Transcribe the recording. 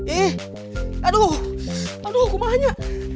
iih aduh aduh kumahnya